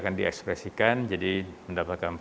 jadi nah sekarang bisa dipanjang